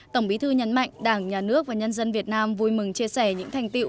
tổng bí thư nhấn mạnh đảng nhà nước và nhân dân việt nam vui mừng chia sẻ những thành tiệu